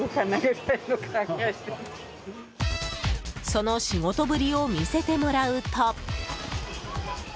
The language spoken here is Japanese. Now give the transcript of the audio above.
その仕事ぶりを見せてもらうと。